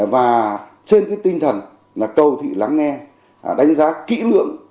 và trên cái tinh thần là cầu thị lắng nghe đánh giá kỹ lưỡng